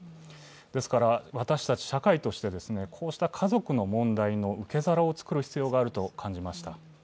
ですから私たち社会としてこうした家族の問題の受け皿を作る必要があると感じました。